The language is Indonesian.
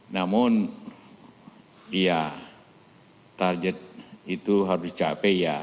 namun ya target itu harus dicapai ya